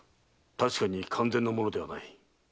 たしかに完全なものではない。